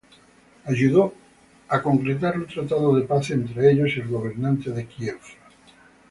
Ayudó a concretar un tratado de paz entre ellos y el gobernante de Kiev.